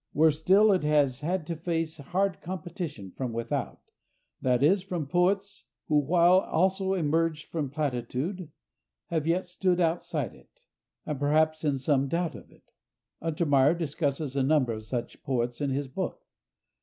Worse still, it has had to face hard competition from without—that is, from poets who, while also emerged from platitude, have yet stood outside it, and perhaps in some doubt of it. Untermeyer discusses a number of such poets in his book.